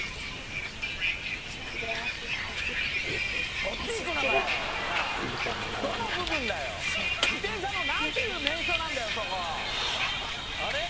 そっちいくのかよなあどの部分だよ自転車の何ていう名称なんだよそこあれ？